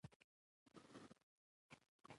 د پلي تګ پروګرام د ملا درد ښه کوي.